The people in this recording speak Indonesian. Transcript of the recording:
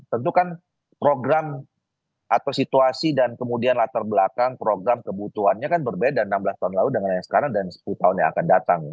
tentu kan program atau situasi dan kemudian latar belakang program kebutuhannya kan berbeda enam belas tahun lalu dengan yang sekarang dan sepuluh tahun yang akan datang